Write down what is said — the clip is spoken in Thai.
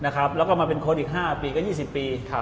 แล้วก็มาเป็นคนอีก๕ปีก็๒๐ปี